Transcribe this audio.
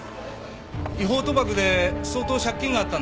違法賭博で相当借金があったんでしょ？